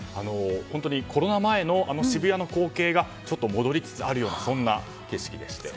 本当にコロナ前の渋谷の光景がこと、戻りつつあるようなそんな景色でして。